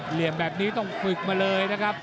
เหลี่ยมแบบนี้ต้องฝึกมาเลยนะครับ